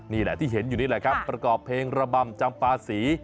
นี่แหละที่เห็นอยู่นี่แหละครับประกอบเพลงระบำจำปาศรี